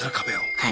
はい。